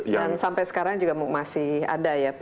dan sampai sekarang juga masih ada